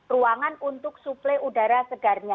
ruangan untuk suplai udara segarnya